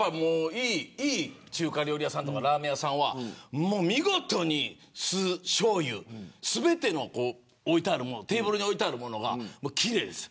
いい中華料理屋さんとかラーメン屋さんは見事に酢、しょうゆテーブルに置いてあるもの全て奇麗です。